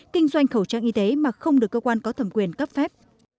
kinh doanh khẩu trang y tế mà không được cơ quan có thẩm quyền cấp phép